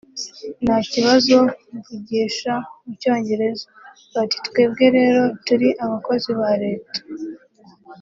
nta kibazo mvugisha mu Cyongereza…bati twebwe rero turi abakozi ba leta